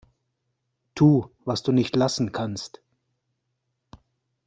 Tu, was du nicht lassen kannst.